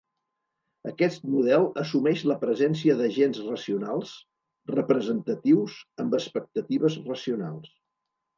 Aquest model assumeix la presència d'agents racionals representatius amb expectatives racionals.